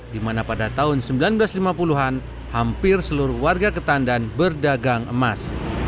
di mana pada tahun seribu sembilan ratus lima puluh an hampir seluruh warga ketandan berdagang emas